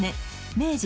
明治